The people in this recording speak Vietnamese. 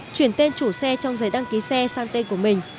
chuyển tên chủ xe trong giấy đăng ký xe sang tên của mình